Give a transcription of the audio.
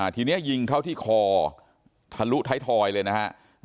ทีนี้ยิงเข้าที่คอทะลุท้ายทอยเลยนะฮะ